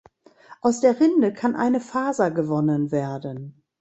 Aus der Rinde kann eine Faser gewonnen werden.